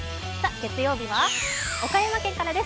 月曜日は岡山県からです。